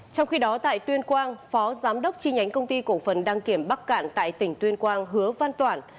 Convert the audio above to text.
trong khi đó tại tuyên quang phó giám đốc chi nhánh công ty cổ phần đăng kiểm bắc cạn tại tỉnh tuyên quang hứa văn toản